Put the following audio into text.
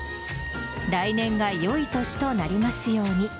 来年が良い年となりますように。